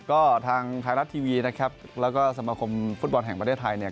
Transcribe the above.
ก็ทางไทยรัฐทีวีนะครับแล้วก็สมาคมฟุตบอลแห่งประเทศไทยเนี่ย